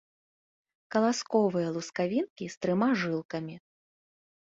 Каласковыя лускавінкі з трыма жылкамі.